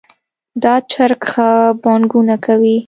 دا چرګ ښه بانګونه کوي